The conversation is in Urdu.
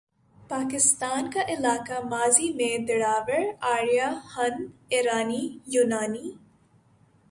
پاکستان کا علاقہ ماضی میں دراوڑ، آریا، ہن، ایرانی، یونانی،